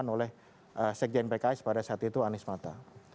oleh sekjen pks pada saat itu anies mata